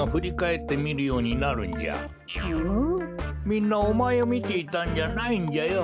みんなおまえをみていたんじゃないんじゃよ。